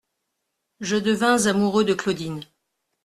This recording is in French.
Je devins amoureux de Claudine.